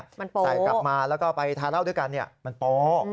ใส่กลับมาแล้วก็ไปทาเล่าด้วยกันเนี่ยมันโป๊